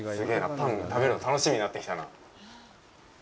パン食べるの楽しみになってきたな。